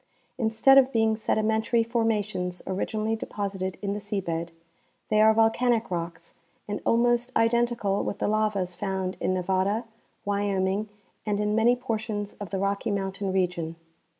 Instead of being sedimentary formations originally deposited in the sea bed, they are volca, nic rocks and almost identical with the lavas found in Nevada, Wyoming and in many portions of the Rock}' mountain region.